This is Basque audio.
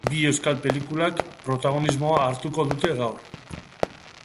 Bi euskal pelikulak protagonismoa hartuko dute gaur.